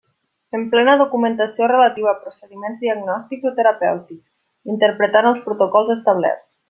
Emplena documentació relativa a procediments diagnòstics o terapèutics, interpretant els protocols establerts.